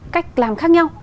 cách làm khác nhau